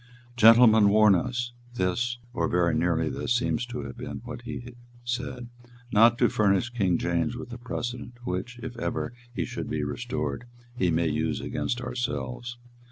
"Gentlemen warn us" this, or very nearly this, seems to have been what he said "not to furnish King James with a precedent which, if ever he should be restored, he may use against ourselves.